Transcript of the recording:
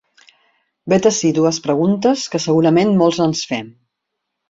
Vet ací dues preguntes que segurament molts ens fem.